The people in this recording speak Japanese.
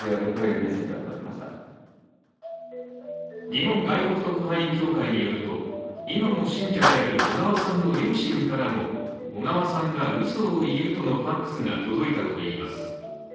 日本外国特派員協会によると今も信者である小川さんの両親からも小川さんがうそを言うとのファックスが届いたといいます。